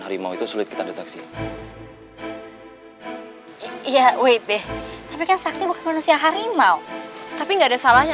harimau itu sulit kita deteksi iya white deh tapi kan saksi bukan manusia harimau tapi enggak ada salahnya